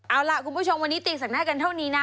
เอาล่ะคุณผู้ชมวันนี้ตีแสกหน้ากันเท่านี้นะ